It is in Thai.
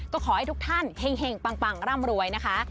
ก็ขอให้ทุกท่านเห็งปังร่ำรวยนะคะ